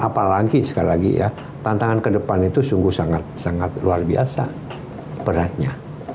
apalagi sekali lagi ya tantangan ke depan itu sungguh sangat sangat luar biasa beratnya